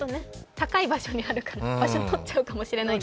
高い場所にあるから、場所取っちゃうかもしれません。